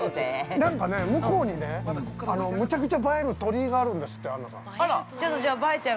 ◆なんかね、向こうにねむちゃくちゃ映える鳥居があるんですって、アンナさん。